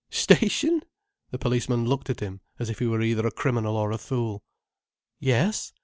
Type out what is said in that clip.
"Station!" The policeman looked at him as if he were either a criminal or a fool. "Yes.